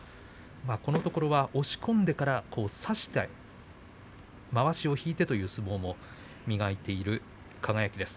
このところ押し込んでから差してまわしを引いてという相撲も磨いている輝です。